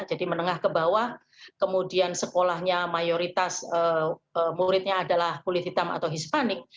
jadi menengah ke bawah kemudian sekolahnya mayoritas muridnya adalah kulit hitam atau hispanik